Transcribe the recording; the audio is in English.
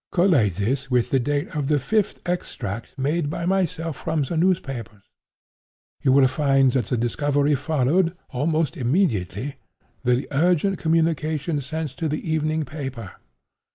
Collate this with the date of the fifth extract made by myself from the newspapers. You will find that the discovery followed, almost immediately, the urgent communications sent to the evening paper.